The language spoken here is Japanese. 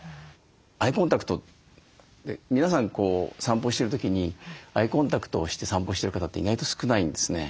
アイコンタクト皆さん散歩してる時にアイコンタクトをして散歩してる方って意外と少ないんですね。